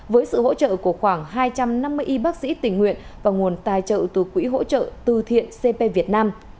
với sự hỗ trợ của khoảng hai trăm năm mươi y bác sĩ tình nguyện và nguồn tài trợ từ quỹ hỗ trợ tư thiện cp việt nam